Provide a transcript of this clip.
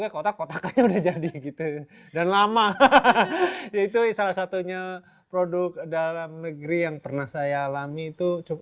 ini juga yang saya ingin kasih tau